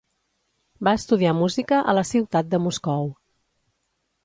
Va estudiar música a la ciutat de Moscou.